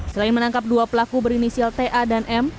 selain menangkap dua pelaku berinisial ta dan m